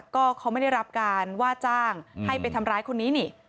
ก็เขาไม่ได้รับการว่าจ้างให้ไปทำร้ายคนนี้นี่